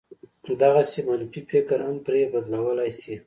دغسې منفي فکر هم پرې بدلولای شي.